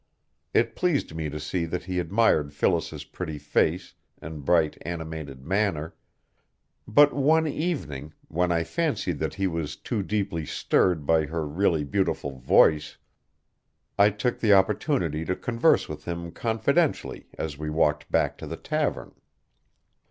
It pleased me to see that he admired Phyllis's pretty face and bright, animated manner; but one evening, when I fancied that he was too deeply stirred by her really beautiful voice, I took the opportunity to converse with him confidentially as we walked back to the tavern.